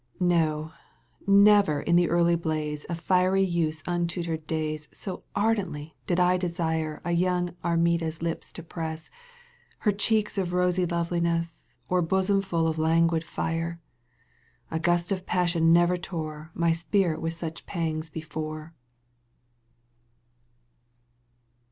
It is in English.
No, never in the early blaze '^~~ Of fiery youth's untutored days So ardently did I desire A young Armida's lips to press, Her cheek of rosy loveliness Or bosom full of languid fire, — A gust of passion never tore My spirit with such pangs before.